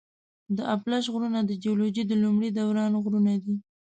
د اپلاش غرونه د جیولوجي د لومړي دوران غرونه دي.